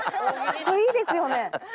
これいいですよね！